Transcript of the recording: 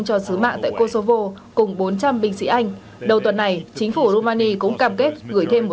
cho sứ mạng tại kosovo cùng bốn trăm linh binh sĩ anh đầu tuần này chính phủ romani cũng cam kết gửi thêm